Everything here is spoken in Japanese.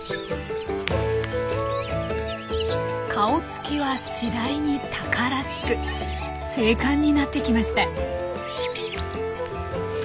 顔つきは次第にタカらしく精かんになってきました。